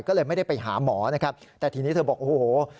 ก็เลยไม่ได้ไปหาหมอนะครับแต่ทีนี้เธอบอกโอ้โห